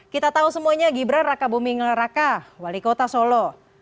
kita tahu semuanya gibran raka bumingeraka wali kota solo